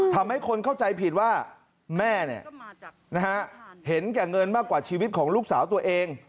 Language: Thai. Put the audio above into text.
ทำให้คนเข้าใจผิดว่าแม่เห็นแก่เงินมากกว่าชีวิตของลูกสาวตัวเอง